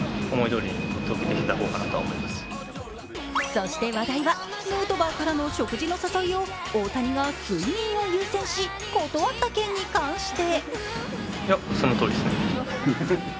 そして話題はヌートバーからの食事の誘いを大谷が睡眠を優先し断った件に関して。